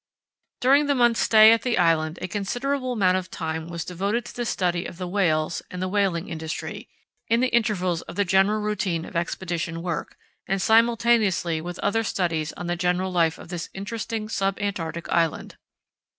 During the month's stay at the island a considerable amount of time was devoted to a study of the whales and the whaling industry, in the intervals of the general routine of expedition work, and simultaneously with other studies on the general life of this interesting sub Antarctic island.